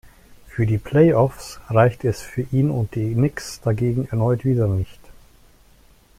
Für die Playoffs reichte es für ihn und die Knicks dagegen erneut wieder nicht.